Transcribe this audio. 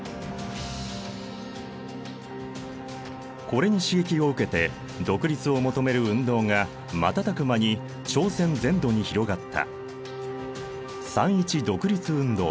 これに刺激を受けて独立を求める運動が瞬く間に朝鮮全土に広がった。